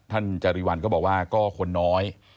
จริวัลก็บอกว่าก็คนน้อย